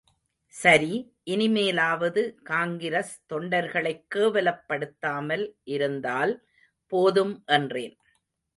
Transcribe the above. சரி, இனிமேலாவது காங்கிரஸ் தொண்டர்களைக் கேவலப் படுத்தாமல் இருந்தால் போதும் என்றேன்.